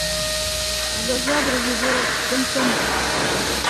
За жабры его, – комсомол!